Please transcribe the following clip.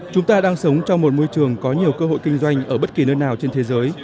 chúng ta đang sống trong một môi trường có nhiều cơ hội kinh doanh ở bất kỳ nơi nào trên thế giới